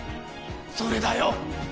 それだよ。